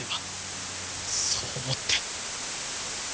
そう思って。